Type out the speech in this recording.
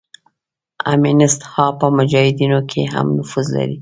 امینست ها په مجاهدینو کې هم نفوذ لري.